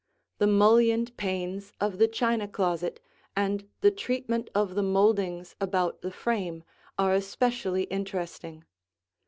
The mullioned panes of the china closet and the treatment of the moldings about the frame are especially interesting.